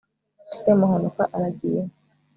semuhanuka aragiye inka